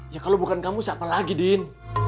ya kalau bukan kamu siapa lagi din